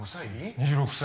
２６歳。